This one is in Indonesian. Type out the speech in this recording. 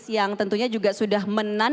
yang tentunya juga sudah menang